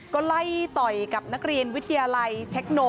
ก็ไล่ต่อยกับนักเรียนวิทยาลัยเทคโน